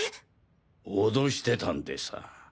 脅してたんでさァ！